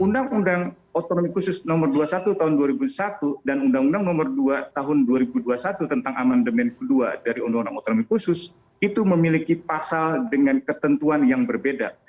undang undang otonomi khusus nomor dua puluh satu tahun dua ribu satu dan undang undang nomor dua tahun dua ribu dua puluh satu tentang amandemen kedua dari undang undang otonomi khusus itu memiliki pasal dengan ketentuan yang berbeda